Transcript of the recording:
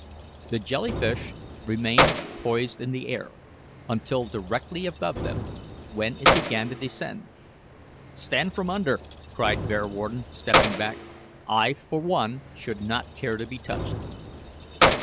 The jelly fish remained poised in the air until directly above them, when it began to descend. "Stand from under!" cried Bearwarden, stepping back. "I, for one, should not care to be touched."